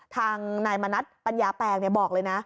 ทางนายมณัฐปัญญาแปลงบอกเลยนะ